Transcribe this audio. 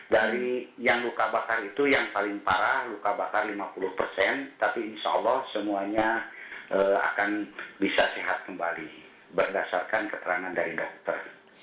dari yang luka bakar itu yang paling parah luka bakar lima puluh persen tapi insya allah semuanya akan bisa sehat kembali berdasarkan keterangan dari dokter